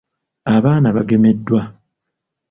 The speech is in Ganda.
Abaana bagemeddwa.